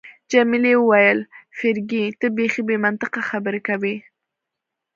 جميلې وويل: فرګي، ته بیخي بې منطقه خبرې کوي.